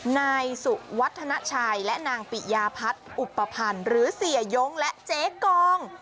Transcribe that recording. นายสุวัฒนาชัยและนางปิยาพัฒน์อุปพันธ์หรือเสียย้งและเจ๊กอง